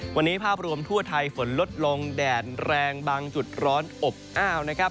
วันนี้ภาพรวมทั่วไทยฝนลดลงแดดแรงบางจุดร้อนอบอ้าวนะครับ